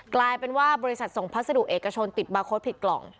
กลายเป็นว่าบริษัทส่งพัสดุเอกชนติดบาร์โค้ดผิดกล่อง